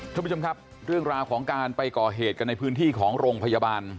คุณผู้ชมครับเรื่องราวของการไปก่อเหตุกันในพื้นที่ของโรงพยาบาล